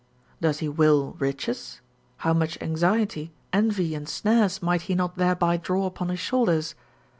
Does he will riches, how much anxiety, envy, and snares might he not thereby draw upon his shoulders?